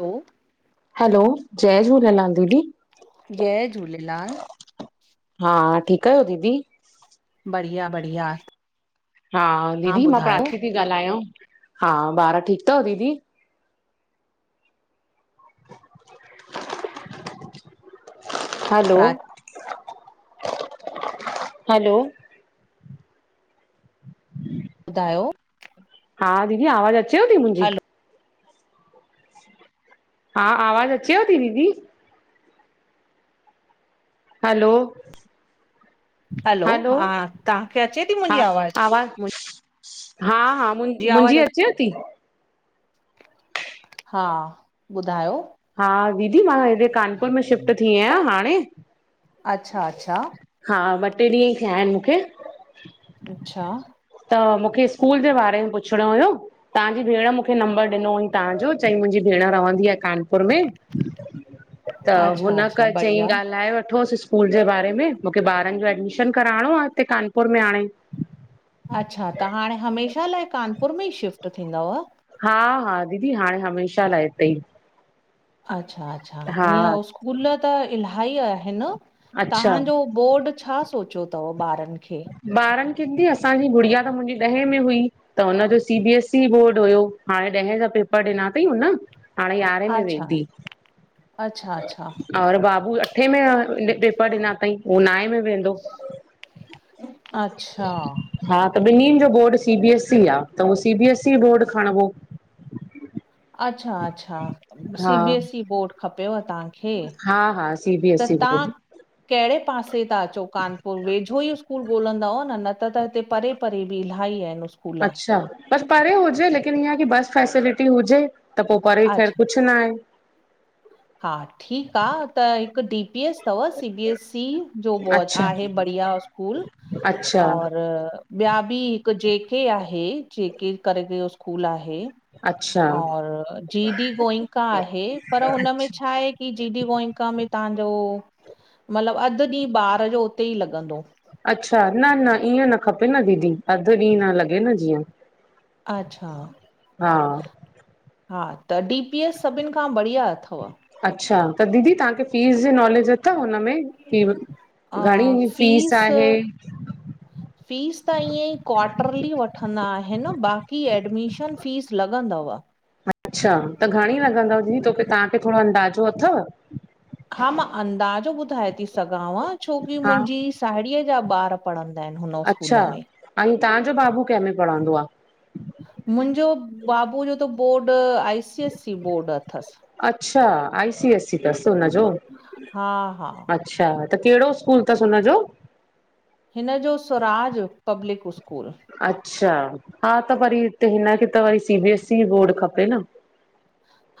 हलो - - hello, जय झूलेलाल दीदी जय झूलेलाल हा, ठीकु आहियो दीदी? बढ़िया बढ़िया हा, तव्हां दीदी मां ॿुधायो प्राची थी ॻाल्हायां हा ॿार ठीकु अथव दीदी? हलो प्राची हलो - - हम - - ॿुधायो? हा दीदी आवाज़ु अचेव ती मुंहिंजी।? हलो हा, आवाज़ अचेव थी दीदी? हलो, हलो, हा तव्हांखे अचे थी हा मुंहिंजी आवाज़ मुंहिंजी हा, मु मुंहिंजी अचे थी? हा, ॿुधायो। हा दीदी मां हेडे कानपुर में शिफ्ट थी यां हाणे अच्छा अच्छा हा ॿ टे ॾींहं ई थिया आहिन मूंखे। अच्छा। त मूंखे स्कूल जे बारे में पुछणो हुयो। ताहांजी भेण मूंखे नंबर ॾिनो हुई ताहांजो चईं मुंजी भेण रहंदी आ कान पुर में, त अच्छा अच्छा हुनखे बढ़िया चईं ॻाल्हाए वठोस स्कूल जे, बारे में मूंखे ॿारन जो एडमिशन कराणो आ हिते कानपुर में हाणे। अच्छा त हाणे हमेशा लाए कानपुर में ई शिफ्ट थींदव? हा हा दीदी हाणे हमेशा लाए हिते ई। अच्छा-अच्छा हा ईअं स्कूल त इलाही आहिन अच्छा ताहांजो बोर्ड छा सोच्यो तव ॿारन खे? ॿारन खें दीदी, असांजी गुड़िया त मुंजी ॾहें में हुई। त हुनजो C B S E board हुयो हाणे ॾहें जा पेपर ॾिना तईं हुन। हाणे यारहें में अच्छा वेंदी। अच्छा अच्छा और बाबू अठे में पेपर ॾिना तई हूह नाए में वेंदो। अच्छा। हा त ॿिन्हिन जो board C B S E आ त उहो C B S E board खणबो। अच्छा-अच्छा हा C B S E board खपेव ताहां खे, हा हा सी बी त एस ई बोर्ड तां कहिड़े पासे ता अचो कानपुर वेझो ई स्कूल ॻोल्हंदा न त त हिते परे परे बि इलाह ही इन अच्छा, बस परे हुजे लेकिन ईअं की बस फैसिलिटी हुजे। त पो परे ख़ैर अच्छा कुझ न आहे। हा ठीक आ त हिक डी पी एस तव सी बी एस ई जो बोद अच्छा आहे बढ़िया स्कूल अच्छा और ॿया बि हिक जे के आहे जे के करके स्कूल आहे। अच्छा और जी डी गोइंका आहे पर हुनमें छा आहे की जी डी गोइंका में ताहांजो मतलब अध ॾींह ॿार जो उते ई लॻंदो। अच्छा न न ईअं न खपे न दीदी अध ॾींह न लॻे न जीअं। अच्छा, हा हा त डी पी एस सभिन खां बढ़िया अथव। अच्छा, त दीदी ताहांखे फीस जे नॉलेज अथव हुन में? की अ घणी फीस आहे? फ़ीस त ईअं ई क्वाटरली वठंदा आहिन बाक़ी एडमिशन फ़ीस लॻंदव। अच्छा, त घणी लॻंदव दीदी तोखे तव्हांखे थोरो अंदाज़ो अथव। हा मां अंदाजो ॿुधाए ती सघांव छोकी हा मुंजी साहेड़ीअ जा ॿार पढ़ंदा आहिन हुन अच्छा स्कूल में। ऐं ताहांजो बाबू केमें पढ़ंदो आ? मुंजो बाबू जो त board I C S C board अथसि अच्छा, आई सी एस सी तस हुन जों। हा-हा! अच्छा, त केड़ो स्कूल तस हुन जो। हिऩ जो स्वराज़ पब्लिक स्कूल। अच्छा! हा त वरी हिते हिंन खे त वरी C B S C board खपे न।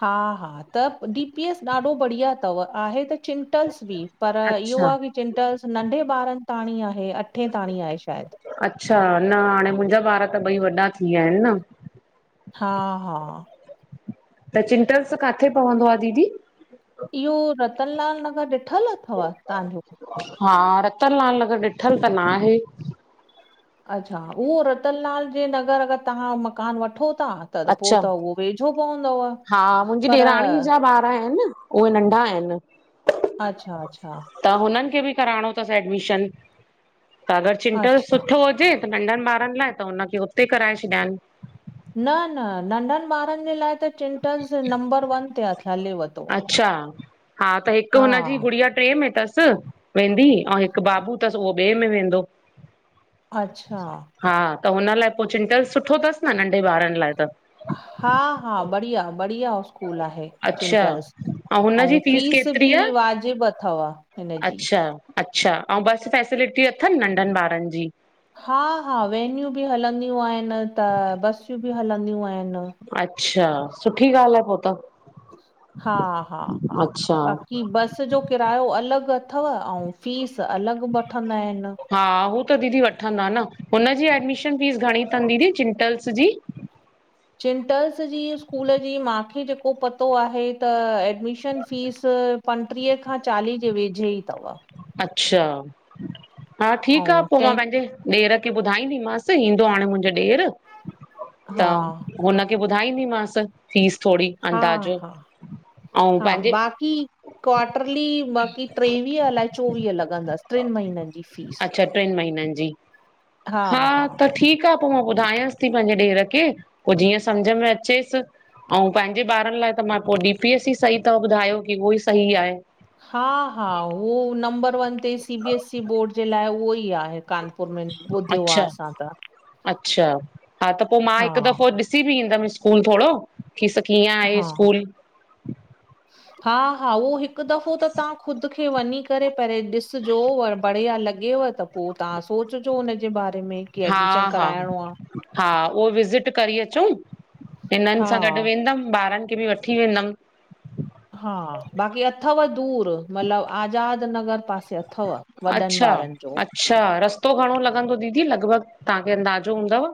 हा-हा त डी पी एस ॾाढो बढ़िया तव आहे त चिंटल्स बि! पर इहो अच्छा आ की चिंटल्स नंढे बारन ताण़ी आहे, अठे ताण़ी आहे श़ायद। अच्छा, न हाणे मुन्ज़ा ॿार त ॿई वॾा थी व्या आऐं न। हां-हां! त चिंटल्स काथ़े पवंदो आ दीदी। इओ रतनलाल नगर ॾिठल अथव ताहां जो। हा, रतनलाल नगर ॾिठल त न आहें। अच्छा, उओ रतनलाल जे नगर अगर तहां मकान वठो ता तत् पो अच्छा त उहो वेझो पवदव, हा मुंहिंजी पर ॾेराणी जा ॿार आहिनि उहे नंढा आहें न। अच्छा-अच्छा। त हुनन खे बि कराणो तस एडमिश़न, त अगर चिंटल्स अच्छा सुठो हुजे त नंढन ॿारन लाए त हुनखे हुते कराए छॾयान। न-न नंढन ॿारन जे लाए त चिंटल्स नंबर वन ते आ हलेव तो। अच्छा, हा त हिक़ हुन जी गुड़ि गुड़ीयां टे में तस वेंदी अउ हिक़ बाबू तस उओ ॿे में वेंदो। अच्छा। हा, त हुंन लाए पो चिंटल्स सुठो तस न नंढे बारन लाए त! हा-हा, बढ़िया- बढ़िया स्कूल आहे अच्छा चिंटल्स। ऐं अंउ हुनजी फीस फ़िस बि केतिरी आहे वाज़िब अथव हिन जी। अच्छा अच्छा, अंउ बस फ़ैसिलिटी अथन नंढन बारन जी! हां-हां वेनयूं बि हलंदयूं आहेंन त बस यूं बि हलंदयूं आए न। अच्छा, सुठी ॻाल आए पो त। हा-हा-हा अच्छा बाक की बस जो किरायो अलग अथव अऊ फ़ीस अलग वठंदा आऐं न। हा, हू त दीदी वठंदा न, हुन जी एडमिश़न फ़ीस घणी तन दीदी चिंटल्स जी! चिंटल्स जी स्कूल जी मांखे ज़ेको पतो आहे त एडमिश़न फ़ीस पंट्रीह खां चाली जे वेझे ई तव! अच्छा, हा ठीक आ, ऐं पो मां तंहिं पहिंजे ॾेर खे बुधाईंदी मास, ईंदो हाणे मुहिंजो ॾेर हा त हुन खे बुधाईंदी मास फ़ीस थोड़ी, हा अंदाज़ हा अंऊ पेन्ज़े क्वाट्ररली बाक़ी ट्रेवीह अलाए चोवीह लगंदस ट्रीन महीनन अच्छा, ट्रीन महीनन जी, हा त ठीक ठीक आ, पो मां बुधायांस ती पहिंजे ॾेर खे, पो जिअं सम्झ में अचेस। अउ पहिंजे ॿारन लाए त मां पो डी पी एस ई सही तव, ॿुधायो की उहो ई सही आहे। हा-हा, उओ नंबर वन ते C B S C board जे लाए उहो ई आहे। कानपुर में ॿुधियो अच्छा, आहे असां त अच्छा हा त पो मां हिक हा दफ़ो ॾिस सी बि ईंदम स्कूल थोड़ो, की स कीअं आहे स्कूल। हा-हा, उहो हिक़ दफ़ो त तहां ख़ुद खे वञीं करे पहेरे ॾिसजो, बढ़िया लॻेव त पो तहां सोच जो हुन जे बारे में की एडमिशन हा- हा, कराइणो आहे हा उहो विज़िट करे अचऊं। हिनन हा सां गॾु वेंदम, ॿारन खे बि वठी वेंदम। हा, बाक़ी अथव दूर मलब आज़ाद नगर पासे अ अच्छा- अच्छा रस्तो घणो लॻंदो दीदी लगभग तहांखे अंदाज़ो हूंदव?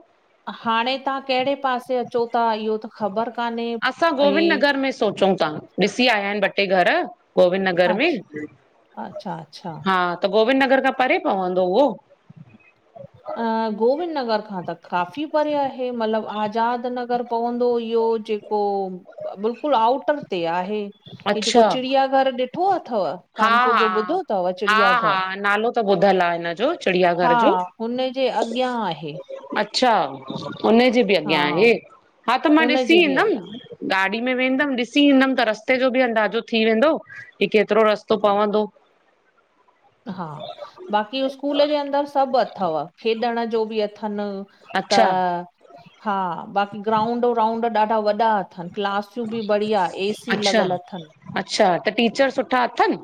हाणे तहां केड़े पासे अचो ता इहो त ख़बर काने। असां गोविंद नगर में सोचऊं ता। ॾिसी आया इनि ॿ-टे घर गोविंद नगर में, अच्छा अच्छा अच्छा हा। त गोविंद नगर खां परे पवंदो उहो। अ गोविंद नगर खां त काफ़ी परे आहे, मलब आज़ाद नगर पवंदो इहो, जे पो ब बिल्कुलु आऊटर ते आहे, हि जेको अच्छा, चिड़िया घर ॾि ठो अथव, हा कानपुर जो हा ॿुधो तव हा हा चिड़ियाघर। नालो त ॿुधल आहे हिन जो चिड़िया घर हा जो उनजे अॻियां आहे। अच्छा उनजे बि हा अॻियां आहे, हा त मां हुन ॾिसी जे बि ईंदम। अॻियां गाॾी में वेंदम ॾिसी ईंदम त रस्ते जो बि अंदाज़ो थी वेंदो कि केतिरो रस्तो तो पवंदो। हा बाक़ी स्कूल जे अंदर सबु अथव, खेॾण जो बि अथन। त अच्छा हा बाकी ग्राउंड-व्राउंड ॾाढा वॾा अथन क्लासूं बि बढ़िया ए-सी अच्छा लॻल थन। अच्छा। त टीचर सुठा अथन?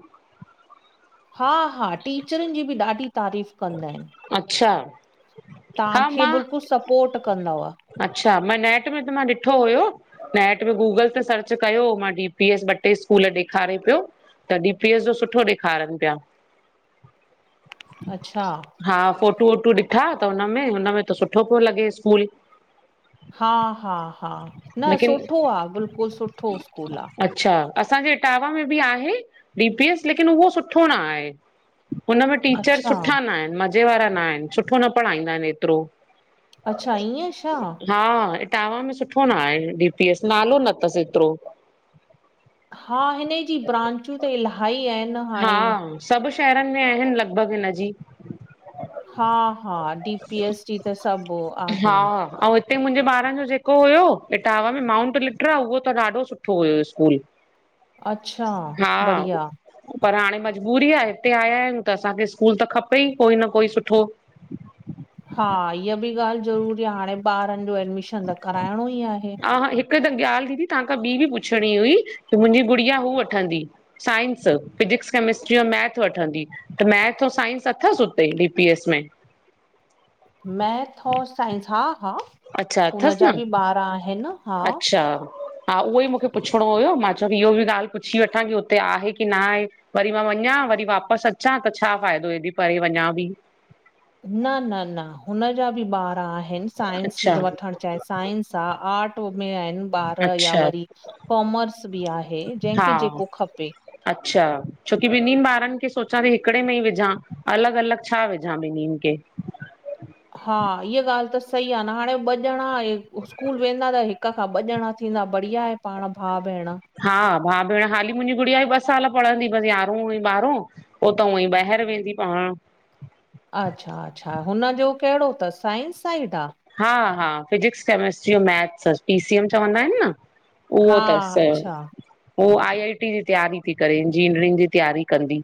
हा- हा टीचरिनि जी बि ॾाढी तारीफ़ कंदा इनि। अच्छा। हा तहांखे मां बिल्कुलु सपोर्ट कंदव। अच्छा, मां नेट में त मां ॾिठो हुयो। नेट में गूगल ते सर्च कयो मां डी- पी-एस, ॿ-टे स्कूल ॾेखारे पियो। त डी -पी- एस जो सुठो ॾेखारनि प्या। अच्छा। हा फोटू -वोटू ॾिठा त हुनमें, हुनमें त सुठो पो लॻे स्कूल। हा-हा, हा न लेकिन सुठो आ, बिल्कुलु सुठो स्कूल आ। अच्छा, असांजे इटावा में बि आहे डी -पी- एस लेकिन उहो सुठो न आहे। उन मे टीचर अच्छा सुठा नाइनि, मज़े वारा नाइनि, सुठो न पढ़ाईंदा इनि एतिरो। अच्छा! ईअं छा? हा, इटवा में सुठो न आहे डी -पी- एस नालो न तसि एतिरो। हा, हिन जी ब्रांचू त इलाही आहिनि न। हा, सबु शहरन में आहिनि लॻभॻ हिनजी। हा- हा, डी-पी- एस जी त सबु आहिनि। ते मुंजे ॿारनि जो जेको हुयो इटावा में माउंट लिट्रा उहो त ॾाढो सुठो हुयो स्कूल। अच्छा हा। बढ़िया पर हाणे मजबूरी आ, हिते आया आयूं त असांखे स्कूल त खपे ई कोई न कोई सुठो। हा। इह बि ॻाल ज़रूरी आ, हाणे ॿारनि जो एडमिशन त कराइणो ई आहे। मुखे त ॻाल दीदी तहांखां ॿी बि पुछिणी हुई? की मुंजी गुड़िया हू वठंदी साइंस। फिजिक्स कैमिस्ट्री अ मैथ वठंदी त मैथ- साइंस अथसि हुते डीपीएस में? मैथ और साइंस हा-हा, अच्छा हुनजा बि ॿार आहिनि हा। चार। हा उहो ई मुखे पुछिणो हुयो, मां चयो की इहो बि ॻाल पुछी वठां की हुते आहे की न आहे? वरी मां वञा, वरी वापसि अचा, त छा फ़ाइदो हेॾी परे वञा बि। न, न, न हुन जा बि ॿार आहिनि साइंस अच्छा वठण। चाहे साइंस आहे, आर्ट ॿ या अच्छा वरी कॉमर्स, बि आहे हा जंहिंखे जेको खपे। अच्छा। छोकी ॿिन्हिनि ॿारनि खे सोचां थी, हिकिड़े में ई विझां अलॻि, अलॻि छा विझां ॿिन्हिनि खे। हा। इहा ॻाल्हि त सही आहे, न हाणे ॿ ॼणा स्कूल वेंदा त हिक खां ॿ ॼणा थींदा बढ़िया आहे। पाण भाउ भेण। हा। भाउ भेण हाली, मुंहिंजी गुड़िया बि, ॿ साल पढ़ंदी बसि यारहों ऐं ॿारहों। उह तऊ ई, बाहर वेंदी पवां अच्छा, अच्छा हुनजो कहिड़ो अथस साइंस साइड आहे। हा। हा, physics chemistry maths, P, C, M चवंदा आहिनि न। उहो हा अथसि, अच्छा उहो आई, आई, टी जी तैयारी थी करे, इंजीनियरिंग जी तयारी कंदी।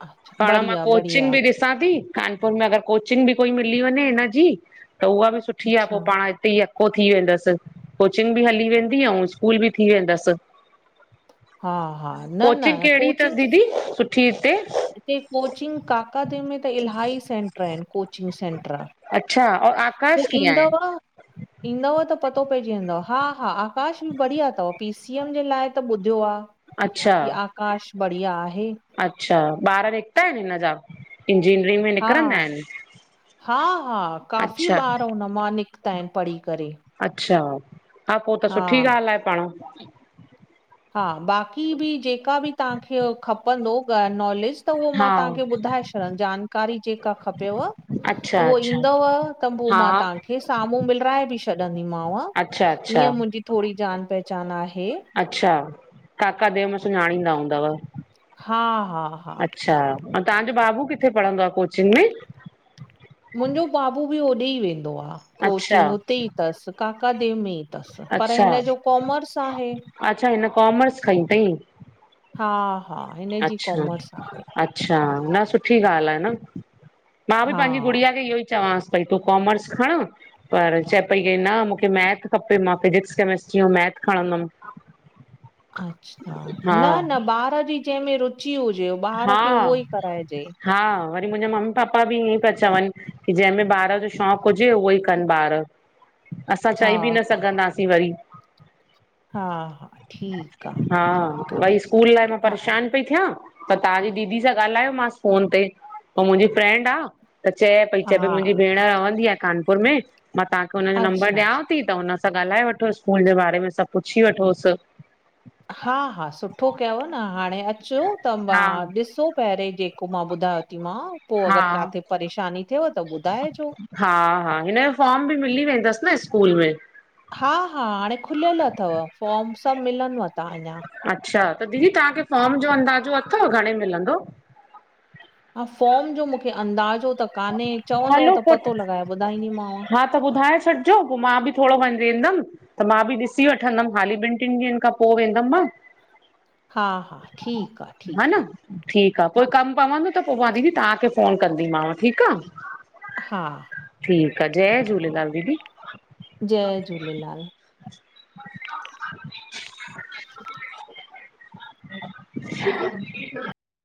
अच्छा, पाण मां, बढ़िया, कोचिंग बढ़िया, बि ॾिस ॾिसां थी, कानपुर में अगरि कोचिंग बि कोई मिली वञे, हिनजी त उहा बि सुठी आहे अच्छा, पोइ पाण। त ई अको थी, वेंदसि कोचिंग बि हली वेंदी, ऐं स्कूल बि थी वेंदसि। हा, हा, न, कोचिंग न, कहिड़ी अथसि कोचिंग्स दीदी सुठी हिते? हिते कोचिंग काका देव, में त इलाही सेंटर आहिनि। Coaching centre. अच्छा। और हू आकाश कीअं आहे? ईंदव। ईंदव त पतो पइजी वेंद, हा, हा आकाश बि बढ़िया अथव, पी, सी, एम जे लाइ त बुध ॿ अच्छा की आकाश बढ़िया आहे। अच्छा ॿार निकिता आहिन हिन जा। इंजीनियरिंग में हा, निकरंदा आहिन हा, हा, काफ़ी अच्छा। ॿार हुन मां निकिता आहिन पढ़ी करे - अच्छा हा पोइ त सुठी ॻाल्ह आहे पाण। हा बाक़ी बि जेका बि तव्हांखे खपंदो नॉलेिस्ट त उहो मां हा तव्हांखे ॿुधाए छॾां जानकारी जेका खपे। व अच्छा उहो अच्छा ईंदव त पोइ मां हा तव्हांखे साम्हूं मिलाए बि छॾंदीमांव। अच्छा अच्छा ईअं मुंहिंजी थोरी जान पहचान आहे। अच्छा काका देव में सुञाणींदा हूंदव। हा हा हा - - अच्छा ऐं तव्हांजो बाबू किथे पढ़ंदो आहे कोचिंग में मुंहिंजो बाबू बि ओॾे ई वेंदो आहे अच्छा कोचिंग उते ई अथसि काका देव में। तस पर अच्छा हिन जो कॉमर्स आहे। अच्छा हिन कॉमर्स खईं अथई हा-हा हिनजी अच्छा कॉमर्स आहे। अच्छा न सुठी ॻाल्हि आहे न मां बि पंहिंजी हा। गुड़िया खे इहो ई चवांस। भई तूं काॅमर्स खण। पर चए पई के न मूंखे मैथ खपे मां फिजिक्स कैमिस्ट्री ऐं मैथ खणंदम। अच्छा - - अच्छा न- न ॿार जी जंहिंमें रुची हुजे ॿार हा खे उहो ई कराइजे। हा वरी मुंहिंजा मम्मी पापा बि ईअं ई पिया चवनि की जंहिंमें ॿार जो शौक़ हुजे उहो ई। कनि ॿार असां हा चई बि न हा सघंदासीं वरी। हा हा ठीक - - हा भई स्कूल लाइ मां परेशान। पई थियां पर तव्हांजी दीदी सां ॻाल्हायो मांस फोन ते पो मुंहिंजी फ्रेंंड आ। त चए पई हा चए पई हा मुंहिंजी भेण रहंदी आहे कानपुर में मां तव्हांखे हुनजो नंबर अच्छा अच्छा ॾियांव थी। त हुन सां ॻाल्हाए वठोसि स्कूल जे बारे में सभु पुछी वठोस हा हा सुठो कयव न हाणे अचो त मां हा ॾिसो पहिरियों जेको मां ॿुधायो। टीमा पोइ हा अगर काथे परेशानी थियएव त ॿुधाइजो हा हा हिनजो फॉर्म बि मिली वेंदस न स्कूल में। हा हा हाणे खुलियल थव फॉर्म सब मिलनिव त अञा। अच्छा त दीदी तव्हांखे फॉम जो अंदाज़ो थव घणे मिलंदो? हा फॉम जो मूंखे अंदाज़ो त कान्हे चवंदव हलो त पोइ पतो लॻाए ॿुधाईंदीमांव? हा त ॿुधाए छॾिजो पोइ मां बि थोरो वञी ईंदम त मां बि ॾिसी वठंदमि हाली ॿिनि टिनि ॾींहंनि खां पोइ वेंदमि मां हा हा ठीकु आहे ह न ठीकु आहे ठीक आ हा कोई कम पवंदो त पोइ मां दीदी तव्हांखे ोन कंदीमांाव ठीक आ। हा - - ठीक आहे जय झूलेलाल दीदी। जय झूलेलाल। ह - -